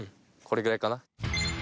これぐらいかな。